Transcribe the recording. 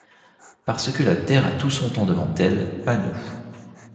Parce que la terre a tout son temps devant elle, pas nous.